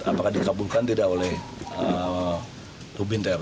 apakah dikabulkan tidak oleh rubinter